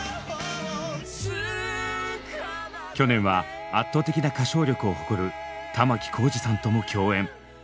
去年は圧倒的な歌唱力を誇る玉置浩二さんとも共演。